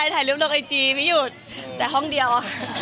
ถ่ายรูปลงไอจีไม่หยุดแต่ห้องเดียว